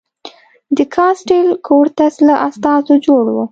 د کاسټیل کورتس له استازو جوړ و.